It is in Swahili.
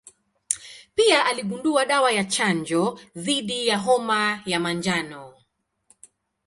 Pia aligundua dawa ya chanjo dhidi ya homa ya manjano.